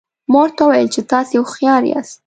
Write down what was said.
ما ورته وویل چې تاسي هوښیار یاست.